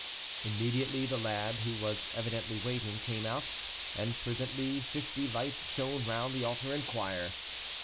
Immediately, the lad, who was evidently waiting, came out, and presently fifty lights shone round the altar and choir.